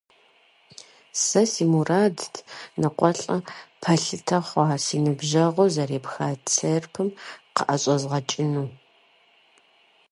Сэ си мурадт ныкъуэлӀэ пэлъытэ хъуа си ныбжьэгъур зэрепха церпым къыӀэщӀэзгъэкӀыну.